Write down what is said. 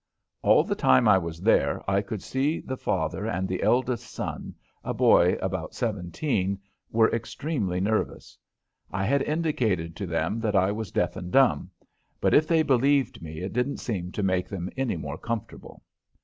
All the time I was there I could see the father and the eldest son, a boy about seventeen, were extremely nervous. I had indicated to them that I was deaf and dumb, but if they believed me it didn't seem to make them any more comfortable.